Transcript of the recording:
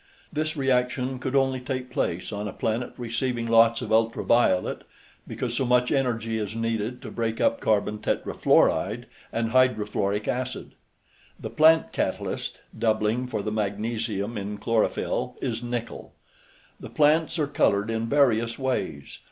This reaction could only take place on a planet receiving lots of ultra violet because so much energy is needed to break up carbon tetrafluoride and hydrofluoric acid. The plant catalyst (doubling for the magnesium in chlorophyll) is nickel. The plants are colored in various ways.